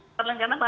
apa yang terjadi